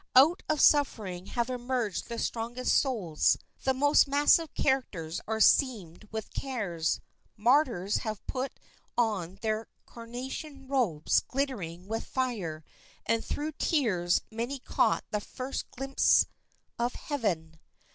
Out of suffering have emerged the strongest souls, the most massive characters are seamed with cares, martyrs have put on their coronation robes glittering with fire, and through tears many caught their first glimpse of heaven.